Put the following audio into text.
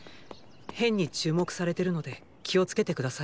変に注目されてるので気をつけて下さいね。